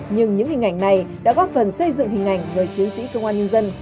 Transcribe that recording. nhưng những hình ảnh này đã góp phần xây dựng hình ảnh người chiến sĩ công an nhân dân